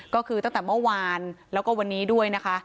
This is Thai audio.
ก็คือตั้งแต่เมื่อวานแล้วก็วันนี้ด้วยนะคะ